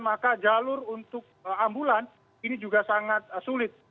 maka jalur untuk ambulan ini juga sangat sulit